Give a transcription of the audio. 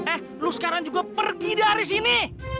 eh lu sekarang juga pergi dari sini